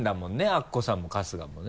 アッコさんも春日もね。